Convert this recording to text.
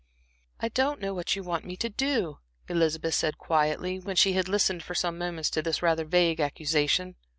"I don't know what you want me to do," Elizabeth said, quietly, when she had listened for some moments to this rather vague accusation.